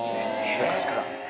昔から。